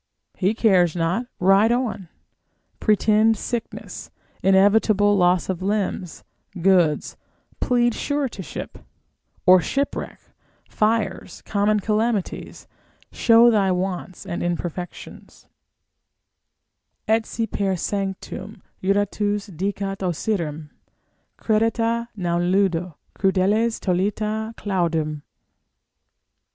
he cares not, ride on: pretend sickness, inevitable loss of limbs, goods, plead suretyship, or shipwreck, fires, common calamities, show thy wants and imperfections, Et si per sanctum juratus dicat Osyrim, Credite, non ludo, crudeles tollite claudum.